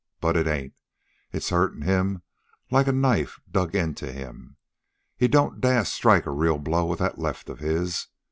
But it ain't. It's hurtin' him like a knife dug into him. He don't dast strike a real blow with that left of his.